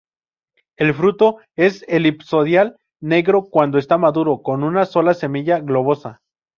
El fruto es elipsoidal, negro cuando está maduro, con una sola semilla globosa.